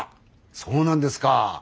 そうなんですか。